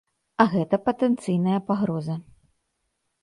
А гэта патэнцыйная пагроза.